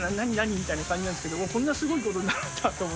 みたいな感じなんですけど、こんなすごいことになるんだって。